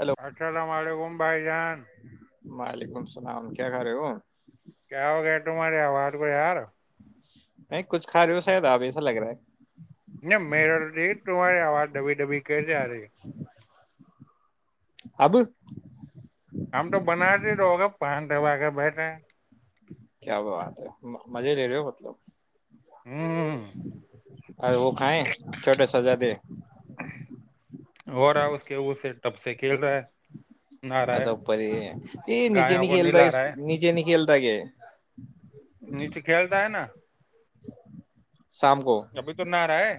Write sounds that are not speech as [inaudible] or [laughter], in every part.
hello السلام علیکم بھائی جان وعلیکم اللام کیا کر رہے ہو کیا ہو گ تہاری آواز کو یار نہیں کچھ کھا رہے ہو شاید آپ ایسا لگ رہا ہے نہیں میر ت تہاری آواز دبی دبی کر آ رہے اب ہم تو بناتے ہی رہو گا پان دبا کے بیٹھے ہیں کیا وہ بات ہے مزے لے رہے ہو مطلب ہوں ارے وہ کھائے چھوٹے سجا دے ب سے کھیل رہا ہے نہ ا رہا ہے بری یہ گایوں کو نجینکلدا نلا رہا ہے نجینکلد اتے نیچے کھیلتا ہے نا شام کو ابھی تو نہ رہا ہے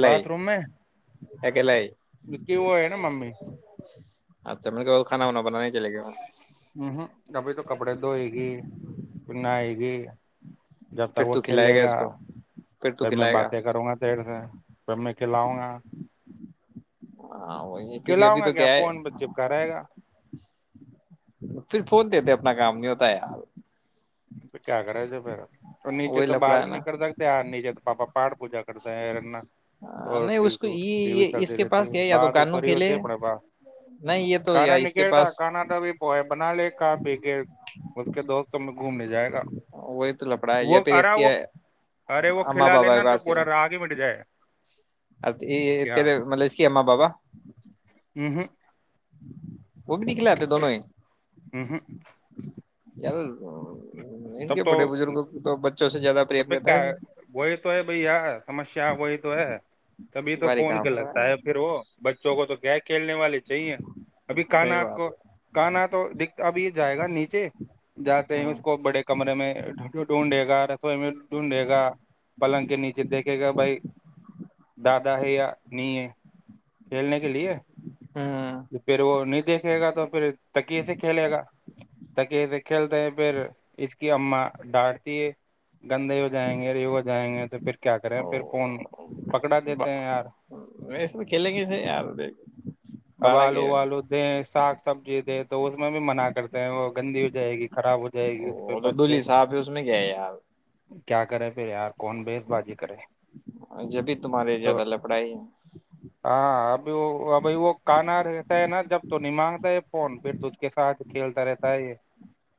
باتھ روم میں ا ل جس کی وہ ہے نا مننے اچھا مطے کو کانا ہوناا ہوں ہوں ابھی تو کپڑے دھوئے گی پ نہ آئے گی جی جب تک پھر وہ تو کھیلے کھلائے گا اس کو پھر میں باتیں کروں گا دیر سے پب میں کھلاؤں گا ہاں وہی کیونکہ کلاؤں ابھی گا تو کیا ہے فون پ چپکا رہے گا پھر فون دیتے اپنا کام نہیں ہوتا یار تو کیا کرے جو پھر تو نیچے وہی تو بات لفڑا ہے بھی نا نہیں کر سکتے یار نیچے تو بپ پاٹھ پوجا کرتا ہیںنا ہاں، اور نہیں اس کو یہ ٹی وی یہ- اس چلتی کے رہتی پاس کیا ہے یا ب تو کانو اوپری ہوتی کھیلے اپ با نہیں یہ تو یا کھانا اس کے پاس نکلتا کھانا توب بنا لے کا پی کے کہ دوستم نے گھومنے جائے گا وہی تو لپڑا ہے یا پھر اس ارا کے وہ ارے وہ ااں کھلا بابا لینا کے تو پاس کے ل پورا راگ ہی مٹ جائے ا کیا یہے مطلب اس کی ا بابا ہ ہ وہ بھی دکھلا آتے دونوں ہی ہ ار اوراں ان کے تب تو بڑے بزرگوں کو تو بچوں سے زیادہ تو پریم پ رہتا ہے وہی تو ہے بھائی یار سمسیا وہی تو ہے کبھی تو بھاری فون کام کے ہو رہا لگتا ہے پھر وہ بچوں کو تو کیا کیا کھیلنے والے چاہیے ابھی صحیح کانا بات کو ہے کانا تو دکھ ابھی جائے گا نیچے جاتے ہیں اس کو بڑے کمرے میں ڈڈ ڈھونڈے گا سو میں ڈھونڈے گا پلنگ کے نیچے دیکھے گا بھائی دادا ہے یا ن ہے کھیلنے کے لیے پھر وہ نہیں دیکھے گا تو پھر تکیے سے کھیلے گا تکیے کھیلتے ہیں پھر اس کی اما ڈانٹتی ہے گندے ہو جائیں گے ری ہو جائیں گے تو پھر کیا کریں پھر فون پکڑا دیتے ہیں یار ویسے تو کھیلیں گے سے یار اب باڑا کے آلو آلو دیں ساگ سمجی دے تو اس میں بھی من کرتے ہیں وہ گندی ہو جائے گی خراب ہو جائے گی پھر تو بچے دلہلی صاحب ہی اس میں کیا یار کیا کرے پھر یار کون بیس بازی کرے جبھی تمہارے تو زیادہ لپڑائی ہے ہاں ابھی وہ اب وہ کانا رہتا ہے نا جب تو نہیںمانگتا ہے فون پھر تو اس کے ساتھ کھیلتا رہتا ہے یہ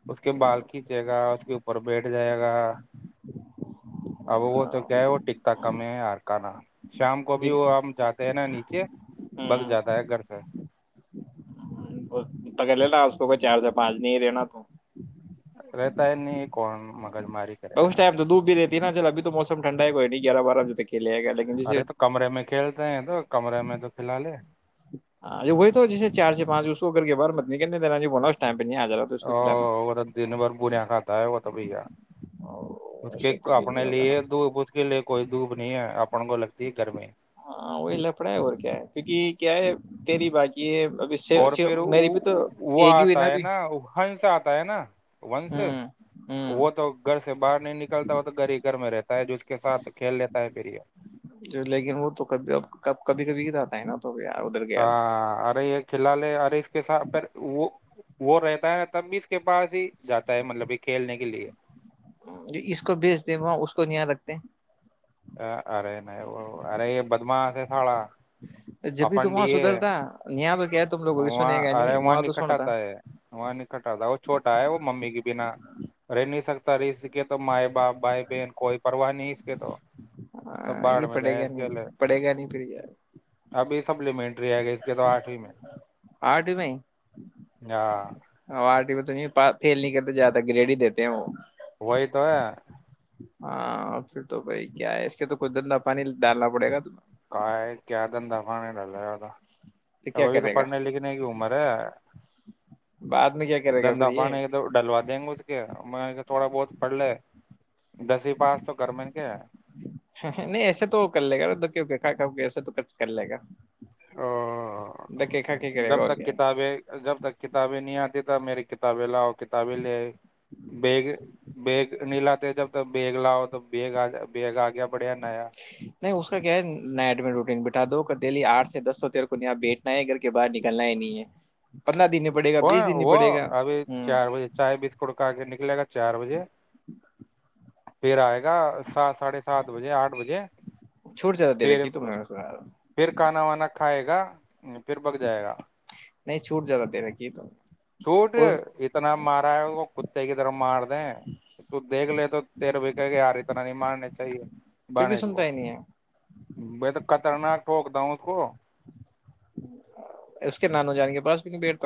اس کے بال کھینچے گا اس کے اوپر بیٹھ جائے گا اب وہ تو کیا ہے وہ ٹکتا کم ہے یار کنا [unintelligible] شام کو بھی دن وہ ہم جاتے ہیں نا نیچے بگ جاتا ہے گھر سے پکڑ لینا اس کو کوئی چار سے پانچ نہیں رہناا تو رہتا ہے نہیں کون م بہ اس ٹائم تو ڈوب بھی دیتی نا چل تو موم ٹھڈا ہےئی گیار بارہ بج تک لے گیا لیکن جیسے ارے تو کمرے میں کھیلتے ہیں تو کمرے میں تو کھلا لے ہاں وہی تو جیسے چار سے پانچ اس کو کر کے باہر بت نہیں کہ دیرای بو اسٹائم او وہ تو دن بھر بنیا کھاتا ہے وہ تو بھیا اس کے ویسے تو کچھ اپنے نہیں ہوگا لیے نا دوپ اس کے لیے کوئی دوپ نہیں ہے س [unintelligible] ہاں وہی لفڑا ہے اور کیا ہے کیونکہ کیا ہے تیری بازی یہ اور پھر وہ ہی ہوئی آتا ہے ابھی نا ہنس آتا ہے نا ونش ہوں ہوں وہ تو گھر سے باہر نہیں نکل نکلتا ہو تو گھر ہی گھر میں رہتا ہے جو اس کے ساتھ کھیل لیتا ہے پھر یہ لیکن وہ تو کبھی ا کب کبھی کبھی جاتا ہے نا تو یار ادھر گیا ہاں ارے ایک کلال ہے ارے اس کے ساتھ پھر وہ وہ رہتا ہے تب بھی اس کے پاس ہی جاتا ہے مطلب کہ کھیلنے کے لیے اس کو بیچ دیں وہ اس کو نیا رکھتے ا ارے نہیں وہ ارے یہ بدم سے ساڑا جبھی تو اپنڈ وہاں یہ سدھرتا یہاں تو کیا تم لوگ بھی وہاں سنے گا ارے وہاں تو نہیں سنتا کٹاتا ہے وہاں نہیں کٹاتا وہ چھوٹا ہے وہ ممی کے بنا رہ نہیں سکتا ت اس کے تو مائے باپ بھائی بہن کوئی پرواہ نہیں اس کے تو سب یہ باہر میں جائ پڑے گا اس کے نہیں لیے پڑے گا نہیں پھر یار ابھی سپلیمنٹری آئے گی اس کے تو آٹھویں میں آرٹ میں ہ پ تھیل نہیں کرتے زیادہ گریڈ ہی دیتے ہیں وہ وہی تو ہے ہاں پھر تو بھائی کیا ہے اس کے تو کچھ گندہ پانی ڈالنا پڑے گا تہیں کا ہے کیا دنداف نے ڈالایا تھا ا کیا ابھی تو کرے گا پڑھنے لکھنے کی عمر ہے بعد میں کیا کرے گا پھر دندا یہ پانی ایک تو ڈلوا دیں گے اس کے میں تھوڑا بہت پڑھ لے دسویں پاس تو کر میں کے نہیں ایسے تو کر لے گا تو کی کر کھا کاؤ گی ایسا تو کچ کر لے گا او دکے کھا کے کرے جب گا اور تک کیا ہے کتابیں جب تک کتابیں نہیں آتی میرری کتابیں لا کتابیں لے بیگ بیگ نیلا جب بیگ لاؤ تو بیگ بیگ آ گیا بڑھیا نیا نہیں اس کا کیا ہے نائٹ میں روٹین بٹھا دہلی آٹھ سے دس سو تیر کو یہاں بیٹھنا ہے گھر کے باہر نکلنا ہی نہیں ہے پندرہ دن نہیں پڑے گا کون بیس دن نہیں وہ پڑے گا ابھی ہ چار بجے چائے بسکٹ کا کے نکلے گا چار بجے پھر آئے گا سات ساڑھے سات بجے آٹھ بجے چھوٹ جاتدا دیرے پھر کی تم نے نے سناا پھر کھانا وانا کھائے گا پھر بگ جائے گا نہیں چھوٹ زیادہ دے رکھی تم چھوٹ وہ اتنا مارا ہے کتے کی طرف مار دیں تو دیکھ لے تو تیرے بھی کہ کے یار اتنا نہیں مارنے چاہیے پھر بھی بنے سنتا کو ہی نہیں ہے تو خطرناک ٹھوک دا ہوں اس کو اس کے نانوں جان کے بس بھی نہیں بیٹ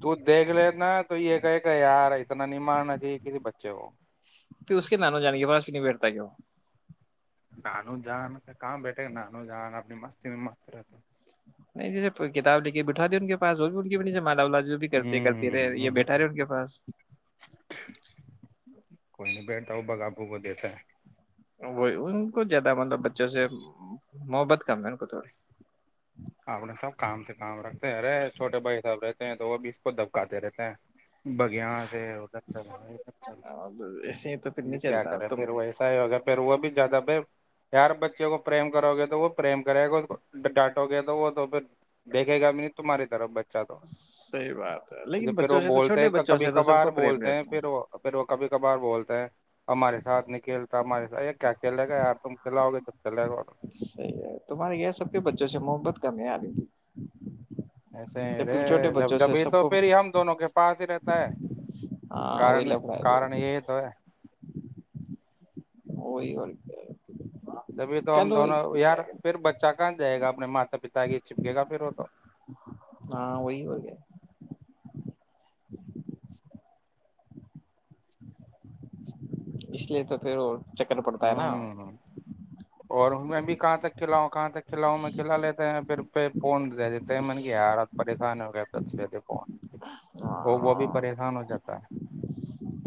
تو دیکھ نا تو یہ کہ کہ یار اتنا نمن کسی بچے وہ پھر اس کے نانوں جانے کے پاس نہیں بیٹھتا کیاوں نانو جان کہاں بیٹھے گ نانو جان اپنی مستی میں مست رہتے نہیں جیسے کتاب لے کے بٹھا دی ان کے پاس وہ بھی ان کےمالا و جو بھی کرتی رہے یہ بیٹھا رہے ان کے پاس بغ آپو کو دیتا ہے وہی ان کو زیادہ مطلب بچوں سے محبت کم ہے ان کو تھوڑی اپنے سب کام سے کام رکھتے ہیں ارے چھوٹے بھائی سب رہتے ہیں تو وہ بھی اس کو دبکاتے رہتے ہیں بگیا سے رہا تھوڑی ایسے تو پھر رہ نہیں کیا چلتا کرے تم پھر ویسا ہی اگر وہ بھی زیادہ پھر یار بچے کو پرریم کرو گے تو وہ پرریم کرے گا اس کو ڈانٹ تو وہ تو پھر دیکھے گا بھی نہیں تمہاری طرف بچ اچھا صحیح بات ہے تو لیکن پھر وہ بچوں سے بولتے چھوٹے ہیں بچوں کبھی سے تو سب کبھار کو پریم بولتے ہیں رہتا ہے پھر وہ پھر وہ کبھی کبھار بولتے ہیں ہمارے ساتھ نکل یہ کیا چ لے گایار تم چلااؤے لے گا سی ہے تمہارے یہ سب کے بچوں سے محببت کمی آ رہی تھی ایسےرے جب جبھی تو سب کو پھر ہی ہم دونوں کے پاس ہی رہتا ہے ہاں وہی کن لفڑا کارن یہی تو ہے وہی کیا ہے جبھی تو ہم کل وہ دونوں یار پھر بچہ کا جائے اپنے ماتا پیتا کہ چپکے گا پھر وہ تو ہاں وہی ہو گیا [inaudible] اس لیے تو پھر اور چکر پڑتا ہے نا ہوں اور میں بھی کہاں تک کلاؤں کہاں تک کھلاؤ میں کھلا لیتے ہیں پھر پہ فون دے دیتے ہیں من کے یار آات پریشان ہو ف وہ وہ بھی ہاں پریشان ہو جاتا ہے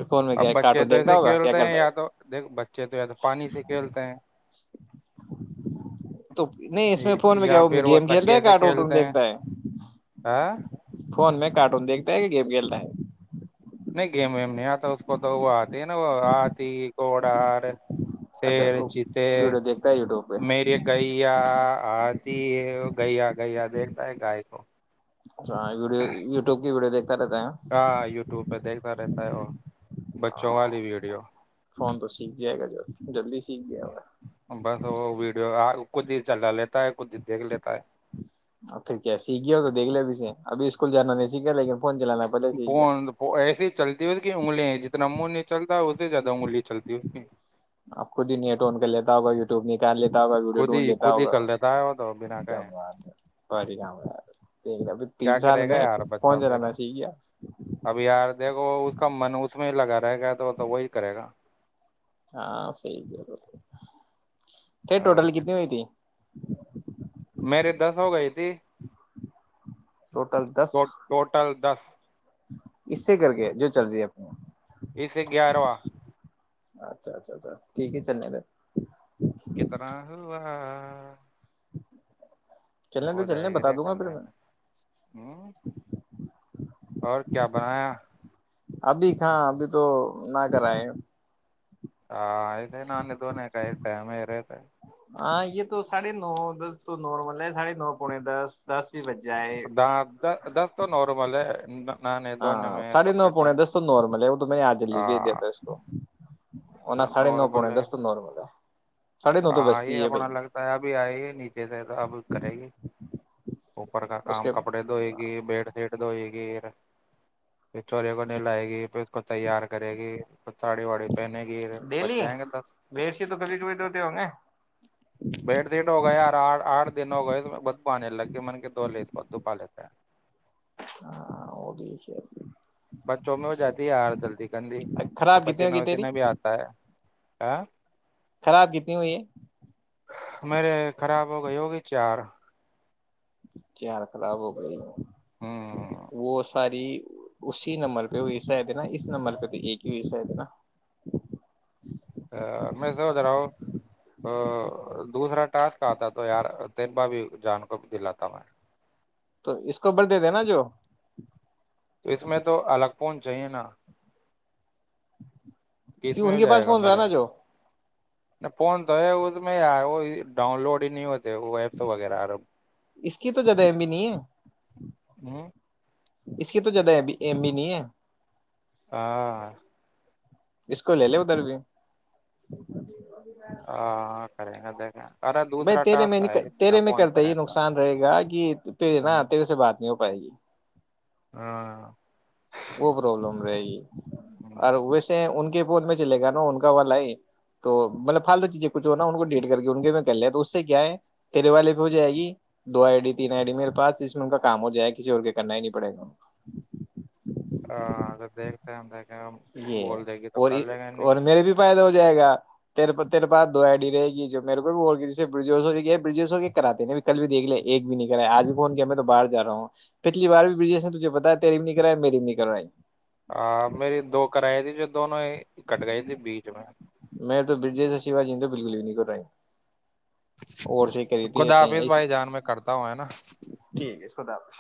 فون میں اب کیا بچے کارٹون تو دیکھتا ایسے ہوگا کیا کھیلتے ہیں کرتا ہے یا تو دیکھ چ تو تو پانی سے کھیلتے ہیں تو نہیں اس میں ی- فون میں کیا یا پھر وہ گیم کھیلتا تکیے ہے سے کارٹ وٹون کھیلتے ہیں دیکھتا ہے ہاں فون میں کارٹون دیکھتا ہے کہ گم گل رہ ہے نہیں گیم ویم نہیں آتا اس کو تو وہ آتی ہے نا وہ آتی گھڑار اچھا پیر چیتے ویڈیو دیکھتا ہے یوٹیوب پہ میرریے گئییا آج تی گیا گیا دیکھتا ہے گائے کو ہ ویڈیو وٹیوب کی ویڈیو دیک ہاں یوٹیوب پہ دیکھتا رہتا ا او ہاں فون تو سیکھ جائے گا ج جلدی سیکھ گیا ہوا بس وہ وڈیو آ کچود ہی چلاا لیتا ہے خود ہی دیکھ لیتا ہے اور پھر کیا سیکھ گیا ہو تو دیکھ ل اب سے ابھی اس کو اسکول جانا نہیںگ کیا ل گ فون ایسی ہی چلتی ہے اس کی انگلیں ہیں جتنا منہ نہیں چلتا زدہ مولی آپ خود ہی نہیں ٹون کر لیتا ہوگا یوٹیوب نکال لیتا ہوگا ویڈیو خود ڈھونڈ ہی لیتا خود ہی ہوگا کر لیتا ہے وہ تو بنا کہ اب تین کیا سال کرے گا میں یار کون بچہ جرا پھر میں س کیا اب یار دیکھو اس کا من اس میں لگا رہے گا تو تو وہی کرے گا ہاں سحی ہے س ٹوٹل اور کیا کتنی ہوئی تھی میری دس ہو گئی تھی ٹوٹل دس ٹوٹل دس اس سے کر کے جو چل رہی ہے اپنی اسے گیارواں اچھا اچھا اچھا ٹھیک ہے چئی ت ہاں چلنے ہو دیں جائے چلنے گے بتا رے دوں کر گا پھر لا میں ہ اور کیا بنایا ابھی کہاں ابھی تو نہ کرائے ہاں ایسے ہی ناننے دنے کا ایکتا ہم رہتا ہے ہاں یہ تو ساڑھے نوس تو نارمل ہے ساڑھے نو پونے دس دس بھی بج جائے د د دست تو نارمل ہے ان [inaudible] نہ نہیں دنے ہاں میں ساڑھے نو کپڑے پونے دنے دس میں تو نارمل ہے وہ تو میں نے آج جلدی بھیج دیا ہاں تھا اس کو ورنہ ساڑھے نو نارمل پونے ہے دس تو نارمل ہے ساڑھے نو آ تو یہ بجتی ہے بھائی اپنا لگتا ہے ابھی آئیے نیچے سے تو اب کرے گی اچ [inaudible] پر کا اس کام کے کپڑے دھوئے گی بیڈ شیٹ دھوئے گی ا [inaudible] پھر چورے کو نہیں لائے گی پھر اس کو تیار کرے گی ساڑی واڑی پہنے گی بچ ڈیلی جائیں گے دس ویٹ سے تو کبھی کبھی دھوتے ہوں گے بیڈ شیٹ ہوگا یار آٹ آٹھ دن ہو گئے تو بد کو آنے لگے من کے دو لی اس ب دپا لیتا ہے ہاں وہ بھیچ بچوں میں ہو جاتی ہے یار جلدی گندی تو خراب کتنی پسینہ ہوگی تیری وسیینہ بھی آتا ہے آ [inaudible] خراب کتنی ہوئی ہے میرے خراب ہو گئی ہوگی چار چیار خراب ہو گئی ہوں وہ ساری اسی نمبر پہیسہ ہے د نا اس نمبر پہ تو ایک ہی ویسہ ہے تھ نا میں سوچ رہا ہوں دوسرا ٹاسک آتا تو یار تین بار بھی جان کو دلاتا ہ میں تو اس کو بر دے د نا جو تو اس میں تو الگ فون چاہیے نا کس کہ میں ان ہو کے پاس جائے گا کون رہا میرے نا میں جو فون تو ہے تو میں یار ہو ڈاؤن لوڈ ہی نہیں ہوتے وہ ایپس وغیرہر اس کی تو جدہائم بھی نہیں ہے ہوں اس کی تو جدہ اب ایم بھی نہیں ہے ہاں اسک لے لے ادھر بھی ہ خرےد [inaudible] بھائی تیرے میں نہیں تیرے میں کرتا یہ فرینڈ کا نقصان رہے گا کہ پے نا ہوں، تیرے سے بات نہیں ہو پائے گی ہاں وہ پرابلم رہے گی ہوں، اور ویسے ان کے ان میں چلے گا ان کا والا ہے تو مطلب فالتو چیزیں کچھ ہو نا ان کو ڈیٹ کر کے ان کے کر لیا تو اس سے کیا ہے تے والے بھی ہو جائے گی دو آئی ڈی تین آئی ڈی میرے پاس ج میں ان کا کام ہو جائے گ کسی اور کے کرنا ہی نہیں پڑے گا ان کو ہ دیکھتے ہم یہ بول دے گی تو اور کر لیں گے نہیں اور میرے بھی فائد ہو جائے گ ت تیرے پاات دو ای ڈی رہےی جو میرے کو بھی اور کسی سے برجوش ہو ج گی بریجیو ہو کے کراتے ہیں کل بھی دیکھ لیا ایک بھی نہیں کرایا آج بھی کوون کیا میں تو باہر جا ہوں پچھلی بار بھی بج نے تجھے پتا ہے تیری بھی نہیں کرا میری بھی نہیں کرائی ہاں میری دو کرائے ت جو دونوں کٹ گئے ت بیچ میں میں تو برجے سے سیو جی ہ بالکل بھی نہیں کر [inaudible] خد حافظ بھائی جان میں کرتا ہوں ہے نا خدااب